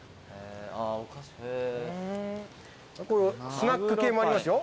スナック系もありますよ。